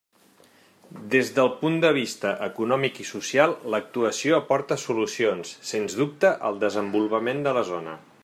Des del punt de vista econòmic i social, l'actuació aporta solucions, sens dubte, al desenvolupament de la zona.